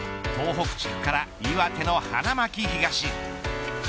東北地区から岩手の花巻東。